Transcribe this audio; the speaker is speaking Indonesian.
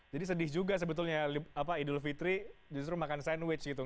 jadi sedih juga sebetulnya idul fitri justru makan sandwich gitu